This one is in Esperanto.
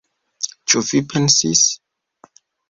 Ĉu vi pensis?